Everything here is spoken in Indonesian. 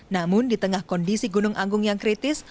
namun di tengah kondisi gunung agung yang kritis